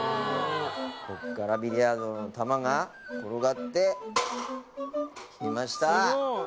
こっからビリヤードの球が転がってきました